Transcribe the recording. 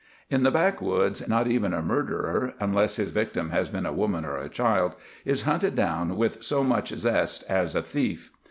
In the backwoods not even a murderer—unless his victim has been a woman or a child—is hunted down with so much zest as a thief.